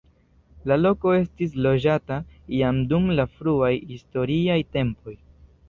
La loko estis loĝata jam dum la fruaj historiaj tempoj.